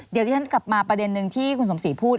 เดี๋ยวที่ฉันกลับมาประเด็นนึงที่คุณสมศรีพูด